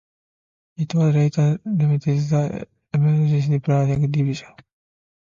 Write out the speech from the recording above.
It was later renamed the Emergency Planning Division.